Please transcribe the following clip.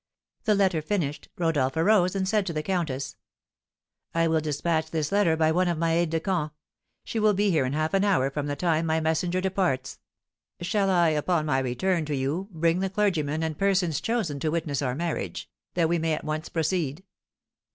The letter finished, Rodolph arose and said to the countess: "I will despatch this letter by one of my aides de camp; she will be here in half an hour from the time my messenger departs. Shall I, upon my return to you, bring the clergyman and persons chosen to witness our marriage, that we may at once proceed?"